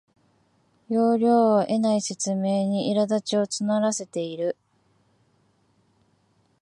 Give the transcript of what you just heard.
要領を得ない説明にいらだちを募らせている